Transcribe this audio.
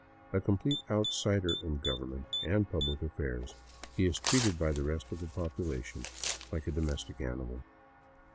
A complete outsider in government and public affairs, he is treated by the rest of the population like a domestic animal.